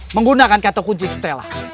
menggunakan kata kunci stelah